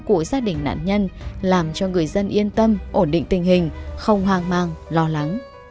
của gia đình nạn nhân làm cho người dân yên tâm ổn định tình hình không hoang mang lo lắng